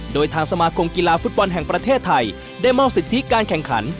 โดยทางสมาคมกีฬาฟุตบอลแห่งประเทศไทยได้มอบสิทธิการแข่งขัน